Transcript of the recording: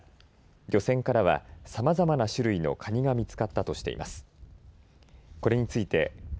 漁船からは、さまざまな種類のカニが見つかったとしています。